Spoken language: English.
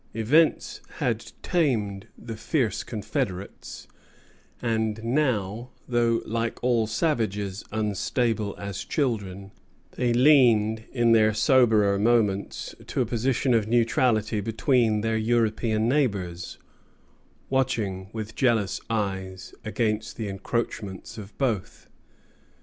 Events had tamed the fierce confederates; and now, though, like all savages, unstable as children, they leaned in their soberer moments to a position of neutrality between their European neighbors, watching with jealous eyes against the encroachments of both.